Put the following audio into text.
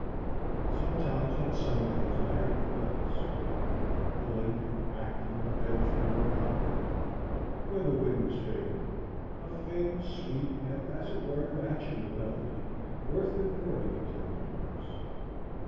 Sometimes, on Sundays, I heard the bells, the Lincoln, Acton, Bedford, or Concord bell, when the wind was favorable, a faint, sweet, and, as it were, natural melody, worth importing into the wilderness.